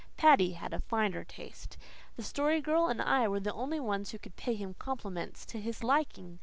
Paddy had a finer taste. The Story Girl and I were the only ones who could pay him compliments to his liking.